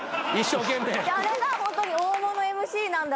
あれがホントに大物ＭＣなんだなって。